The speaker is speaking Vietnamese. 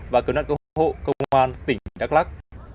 và cầu nạn cầu hộ công an tỉnh đắk lắc